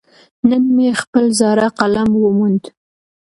نن مې خپل زاړه قلم وموند.